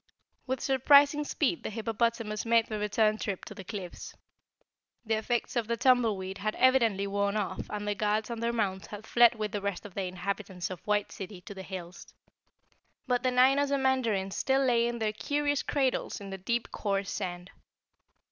With surprising speed the hippopotamus made the return trip to the cliffs. The effects of the tumbleweed had evidently worn off and the guards and their mounts had fled with the rest of the inhabitants of White City to the hills. But the nine Ozamandarins still lay in their curious cradles in the deep coarse sand.